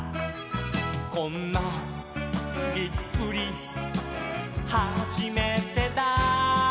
「こんなびっくりはじめてだ」